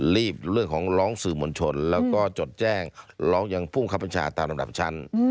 รีบเรื่องของร้องสื่อมนชนแล้วก็จดแจ้งร้องอย่างผู้คับปัญชาตามด้วยดับชั้น